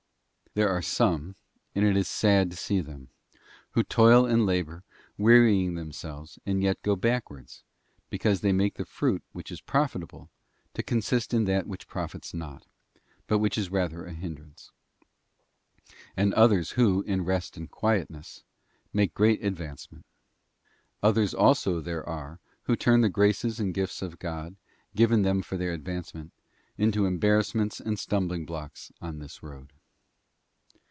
There are some—and it is sad to see them—who toil and labour, wearying themselves, and yet go backwards, because they make the fruit which is profitable to consist in that which profits not, but which is rather a hindrance ; and others who, in rest and quietness, make great advancement. Others also there are who turn the graces and the gifts of God, given them for their advancement, into embarrassments and stum bling blocks on this road.